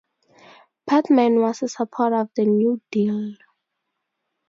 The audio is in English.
Patman was a supporter of the New Deal.